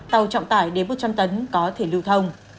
tàu trọng tải đến một trăm linh tấn có thể lưu thông